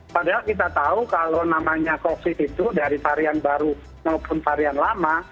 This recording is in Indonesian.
padahal kita tahu kalau namanya covid itu dari varian baru maupun varian lama